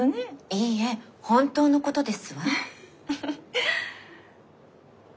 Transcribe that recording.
いいえ本当のことですわ。